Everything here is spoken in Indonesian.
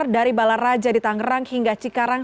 dari balar raja di tangerang hingga cikarang